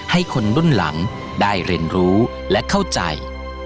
ให้คนรุ่นหลังได้เรียนรู้และเข้าใจ